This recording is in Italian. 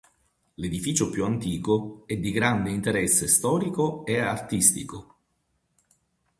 L'edificio più antico è di grande interesse storico e artistico.